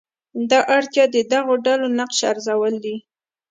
دا اړتیا د دغو ډلو نقش ارزول دي.